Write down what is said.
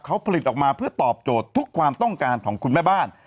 เขาผลิตออกมาเพื่อตอบโจทย์ทุกความต้องการของคุณแม่บ้าน